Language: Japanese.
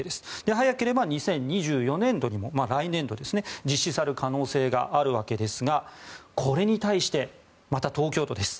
早ければ２０２４年度来年度にも実施される可能性があるわけですがこれに対して、また東京都です。